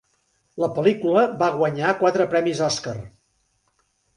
La pel·lícula va guanyar quatre Premis Oscar.